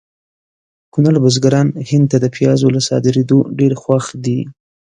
کونړ بزګران هند ته د پیازو له صادریدو ډېر خوښ دي